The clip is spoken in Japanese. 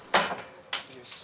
よし。